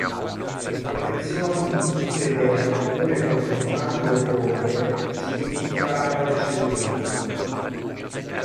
Le protezioni di tutte le aperture contro fango e polvere si dimostrarono eccellenti.